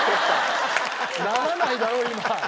ならないだろ今。